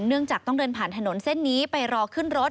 เนื่องจากต้องเดินผ่านถนนเส้นนี้ไปรอขึ้นรถ